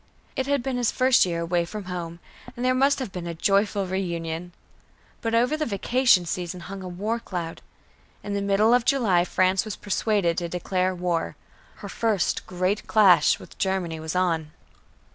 It had been his first year away from home, and there must have been a joyful reunion. But over the vacation season hung a war cloud. In the middle of July, France was persuaded to declare war. Her first great clash with Germany was on.